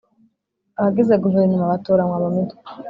Abagize guverinoma batoranywa mu mitwe